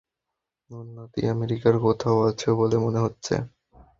ওর নাতি আমেরিকার কোথাও আছে বলে মনে হচ্ছে।